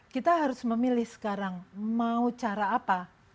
kita harus memilih sekarang mau cara apa